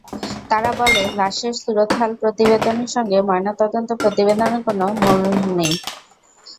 তারা বলে, লাশের সুরতহাল প্রতিবেদনের সঙ্গে ময়নাতদন্ত প্রতিবেদনের কোনো মিল নেই।